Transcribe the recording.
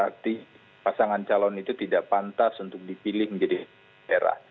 berarti pasangan calon itu tidak pantas untuk dipilih menjadi daerah